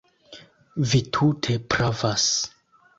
Vi tute pravas.